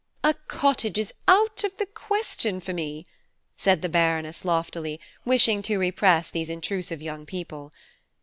"A cottage is out of the question for me," said the Baroness loftily, wishing to repress these intrusive young people.